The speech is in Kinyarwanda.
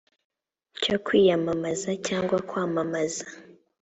cyo kwiyamamaza cyangwa kwamamaza